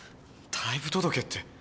退部届って。